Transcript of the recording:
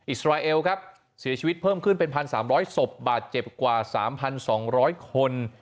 อิสราเอลครับเสียชีวิตเพิ่มขึ้นเป็น๑๓๐๐ศพบาดเจ็บกว่า๓๒๐๐คน